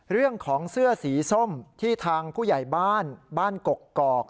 เรื่องของเสื้อสีส้มที่ทางผู้ใหญ่บ้านบ้านกกอก